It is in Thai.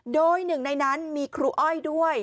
โดยหนึ่งในนั้นมีครูอ้อยด้วย